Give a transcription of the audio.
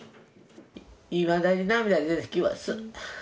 いまだに涙出てきます。